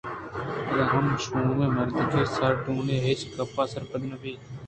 پدا ہمے شومیں مردک سارڈونی ہچ گپ ءَ سرپد نہ بیت